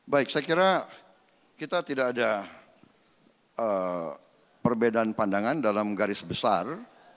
baik saya kira kita tidak ada perbedaan pandangan dalam garis besar